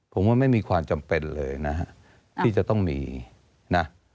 ผมว่าไม่มีความจำเป็นเลยนะฮะที่จะต้องมีนะ